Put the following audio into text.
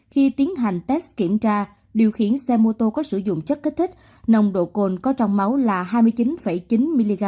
khi tiến hành test kiểm tra điều khiển xe mô tô có sử dụng chất kích thích nồng độ cồn có trong máu là hai mươi chín chín mg